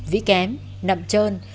vĩ kém nậm trơn